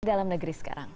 dalam negeri sekarang